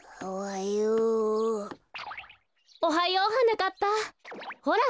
おはよう。